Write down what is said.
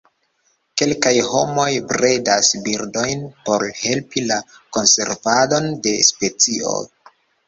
Kelkaj homoj bredas birdojn por helpi la konservadon de specio.